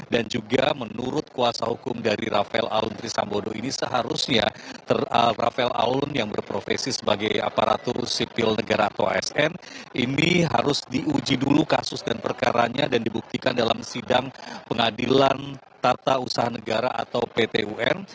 dan juga menurut kuasa hukum dari rafael alun trisambodo ini seharusnya rafael alun yang berprofesi sebagai aparatur sipil negara atau asn ini harus diuji dulu kasus dan perkaranya dan dibuktikan dalam sidang pengadilan tata usaha negara atau ptun